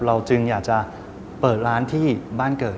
จึงอยากจะเปิดร้านที่บ้านเกิด